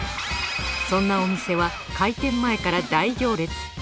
そんなお店は開店前から大行列。